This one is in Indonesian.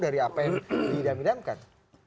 dari apa yang diidam idamkan